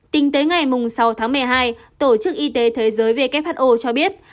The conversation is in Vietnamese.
tính tới ngày sáu tháng một mươi hai tổ chức y tế thế giới who cho biết